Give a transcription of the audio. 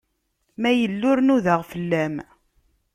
Ma yella ur nudeɣ fell-am.